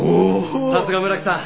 さすが村木さん！